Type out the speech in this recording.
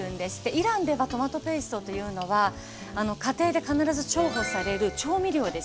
イランではトマトペーストというのは家庭で必ず重宝される調味料です。